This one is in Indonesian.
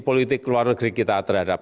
politik luar negeri kita terhadap